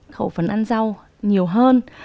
khẩu phấn ăn rau nhiều hơn